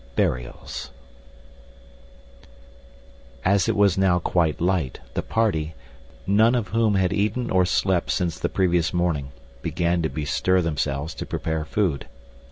Burials As it was now quite light, the party, none of whom had eaten or slept since the previous morning, began to bestir themselves to prepare food.